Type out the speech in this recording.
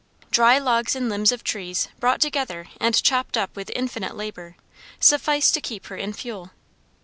Dry logs and limbs of trees, brought together and chopped up with infinite labor, sufficed to keep her in fuel.